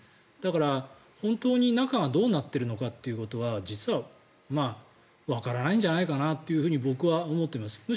だから、本当に中はどうなっているのかということは実はわからないんじゃないかなと僕は思っています。